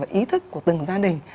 và ý thức của từng gia đình